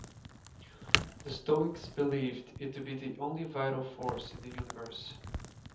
The Stoics believed it to be the only vital force in the universe.